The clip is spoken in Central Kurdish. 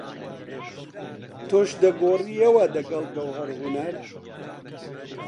تۆش دەگۆڕیەوە دەگەڵ گەوهەر هونەر؟